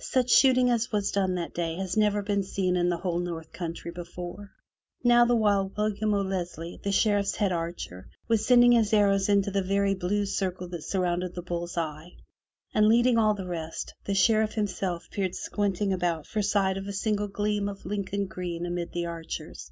Such shooting as was done that day had never been seen in the whole North Country before. Now the while William OXeslie, the Sheriff's head archer, was sending his arrows into the very blue circle that surrounded the bull's eye, and leading all the rest, the Sheriff himself peered squinting about for sight of a single gleam of Lincoln green amongst the archers.